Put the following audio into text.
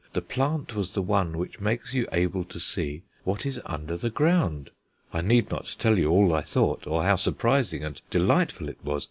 The plant was the one which makes you able to see what is under the ground! I need not tell you all I thought, or how surprising and delightful it was.